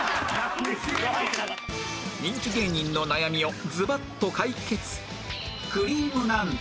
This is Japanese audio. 人気芸人の悩みをズバッと解決